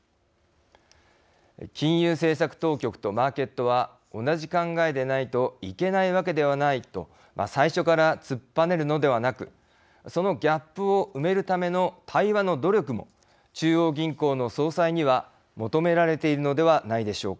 金融政策当局とマーケットは同じ考えではないといけないわけではないと最初から突っぱねるのではなくそのギャップを埋めるための対話の努力も中央銀行の総裁には求められているのではないでしょうか。